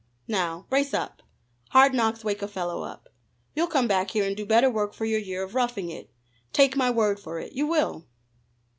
Now brace up! Hard knocks wake a fellow up. You'll come back here and do better work for your year of roughing it take my word for it, you will."